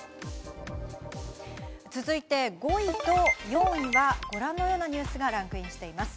続いて５位と４位は、ご覧のようなニュースがランクインしています。